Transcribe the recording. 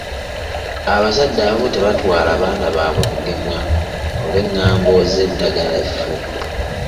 Abazadde abamu tebaatwala baana baabwe kugemwa olw'engambo z'eddagala effu.